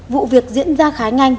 vụ việc diễn ra khá nhanh